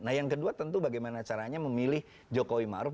nah yang kedua tentu bagaimana caranya memilih jokowi maruf